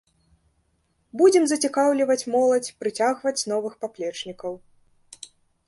Будзем зацікаўліваць моладзь, прыцягваць новых паплечнікаў.